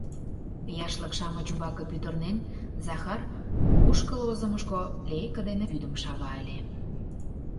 Яшлык-шамыч ӱмбаке пӱтырнен, Захар кушкыл озымышко лейке дене вӱдым шава ыле.